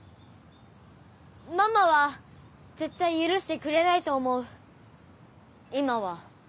ママは絶対許してくれないと思う今は。